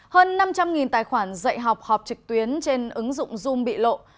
hơn năm trăm linh tài khoản dạy học họp trực tuyến trên ứng dụng zoom bị lộ